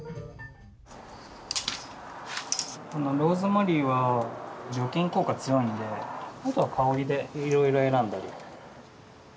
このローズマリーは除菌効果強いんであとは香りでいろいろ選んだり。